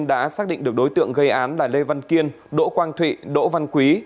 đã xác định được đối tượng gây án là lê văn kiên đỗ quang thụy đỗ văn quý